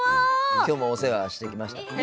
今日も、お世話してきました。